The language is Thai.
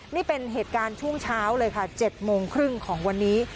นี่เป็นเหตุการณ์ช่วงเช้าเลยค่ะ๗โมงครึ่งของวันนี้